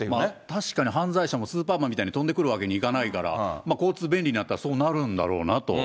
確かに、犯罪者もスーパーマンみたいに飛んでくるわけにいかないから、交通便利になったらそうなるんだろうと。